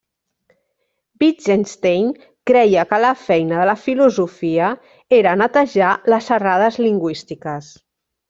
Wittgenstein creia que la feina de la filosofia era netejar les errades lingüístiques.